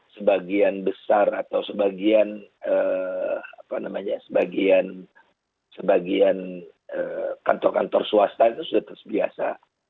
sebagian besar atau sebagian kantor kantor swasta itu sudah terbiasa